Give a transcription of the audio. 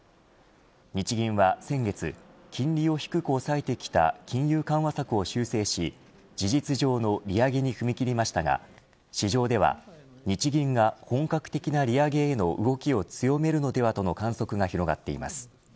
日銀は先月金利を低く抑えてきた金融緩和策を修正し事実上の利上げに踏み切りましたが市場では日銀が本格的な利上げへの動きを強めるのではとの観測が広がっています。